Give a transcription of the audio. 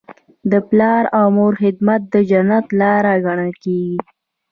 د پلار او مور خدمت د جنت لاره ګڼل کیږي.